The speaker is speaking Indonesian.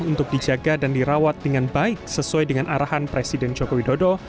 untuk dijaga dan dirawat dengan baik sesuai dengan arahan presiden joko widodo